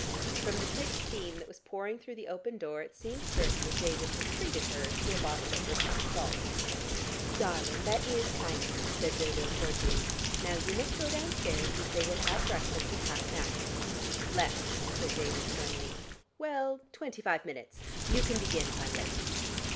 From the thick steam that was pouring through the open door it seemed certain that David had treated her to a bottle of verbena salts. "Darling, that is kind of you," said Dodo cordially. "Now you must go downstairs, and say we'll have breakfast in half an hour." "Less," said David firmly. "Well, twenty five minutes. You can begin if I'm late."